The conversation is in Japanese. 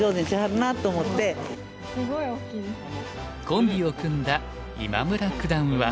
コンビを組んだ今村九段は。